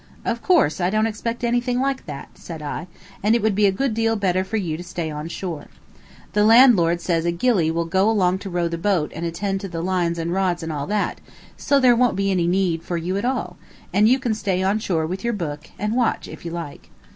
"Of course I don't expect anything like that," said I; "and it would be a good deal better for you to stay on shore. The landlord says a gilly will go along to row the boat and attend to the lines and rods and all that, and so there won't be any need for you at all, and you can stay on shore with your book, and watch if you like."